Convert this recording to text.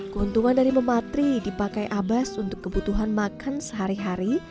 keuntungan dari mematri dipakai abbas untuk kebutuhan makan sehari hari